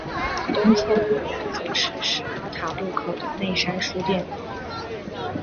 东侧不远则是施高塔路口的内山书店。